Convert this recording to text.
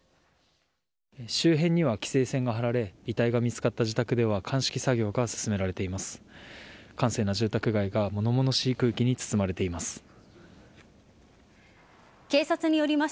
周辺には規制線が張られ遺体が見つかった自宅では鑑識作業が進められています。